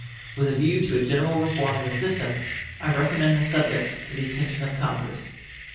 With a view to a general reform in the system, I recommend the subject to the attention of Congress.